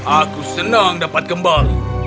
aku senang dapat kembali